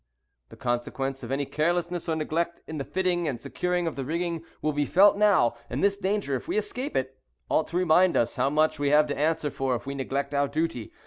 The consequence of any carelessness or neglect in the fitting and securing of the rigging will be felt now; and this danger, if we escape it, ought to remind us how much we have to answer for if we neglect our duty.